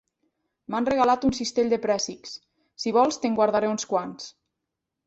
M'han regalat un cistell de préssecs: si vols te'n guardaré uns quants.